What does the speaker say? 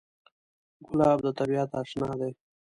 ګلاب د طبیعت اشنا دی.